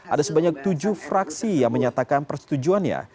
ada sebanyak tujuh fraksi yang menyatakan persetujuan ya